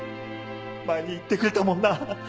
前に言ってくれたもんな。